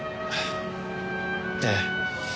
ええ。